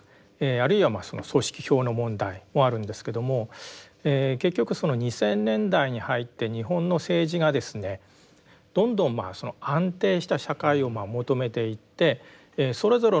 あるいは組織票の問題もあるんですけども結局２０００年代に入って日本の政治がですねどんどん安定した社会を求めていってそれぞれの政党が組織票を重視しますね。